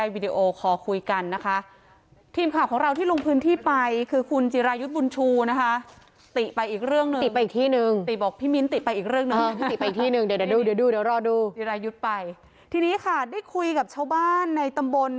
ผมไม่เชื่อว่ามีพี่คนเดียวนะ